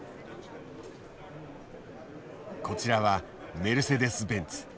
こちらはメルセデス・ベンツ。